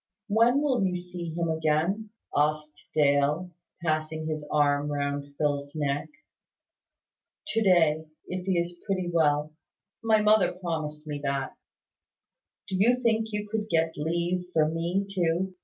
"When will you see him again?" asked Dale, passing his arm round Phil's neck. "To day, if he is pretty well. My mother promised me that." "Do you think you could get leave for me too?